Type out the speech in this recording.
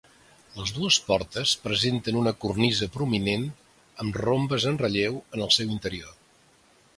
Les dues portes presenten una cornisa prominent amb rombes en relleu en el seu interior.